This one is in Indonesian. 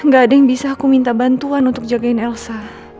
gak ada yang bisa aku minta bantuan untuk jagain elsa